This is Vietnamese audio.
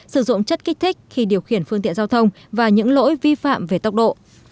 sử dụng chất kích thích khi điều khiển phương tiện giao thông và những lỗi vi phạm về tốc độ